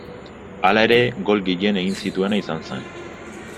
Hala ere, gol gehien egin zituena izan zen.